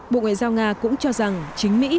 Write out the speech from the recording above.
bộ ngoại giao nga cũng cho rằng chính mỹ